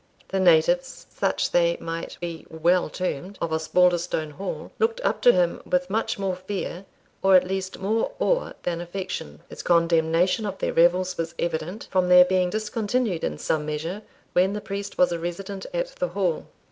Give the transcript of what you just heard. The natives (such they might be well termed) of Osbaldistone Hall looked up to him with much more fear, or at least more awe, than affection. His condemnation of their revels was evident, from their being discontinued in some measure when the priest was a resident at the Hall.